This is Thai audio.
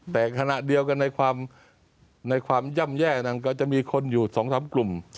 แต่ขณะเดียวกันในความย่ำแย่นั้นก็จะมีคนอยู่๒๓กลุ่ม